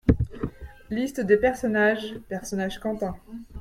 liste-de-personnages PERSONNAGES QUENTIN.